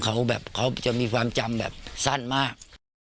เขาแบบเขาจะมีความจำแบบสั้นมาก